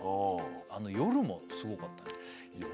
夜もすごかったね